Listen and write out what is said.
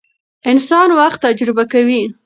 انسان وخت تجربه کوي.